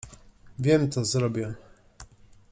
Wiem, co zrobię!